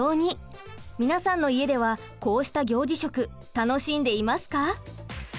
皆さんの家ではこうした行事食楽しんでいますか？